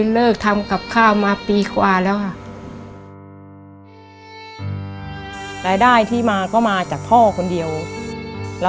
ลูกภาพจะมีทิศเมื่อกีศ